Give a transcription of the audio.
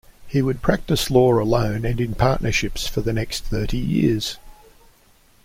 He would practice law alone and in partnerships for the next thirty years.